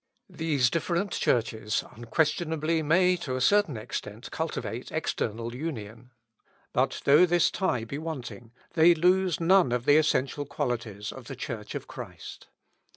" These different Churches, unquestionably, may to a certain extent cultivate external union; but though this tie be wanting, they lose none of the essential qualities of the Church of Christ.